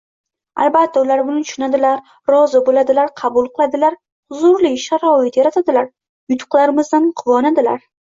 Albatta, ular buni tushunadilar, rozi bo‘ladilar, qabul qiladilar, huzurli sharoit yaratadilar, yutuqlarimizdan quvonadilar.